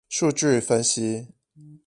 數據分析